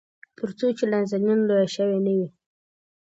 تر څو پورې چې نازنين لويه شوې نه وي.